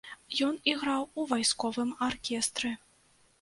Ён іграў у вайсковым аркестры.